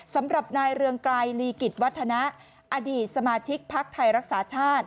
สำหรับนายเรืองไกรลีกิจวัฒนะอดีตสมาชิกภักดิ์ไทยรักษาชาติ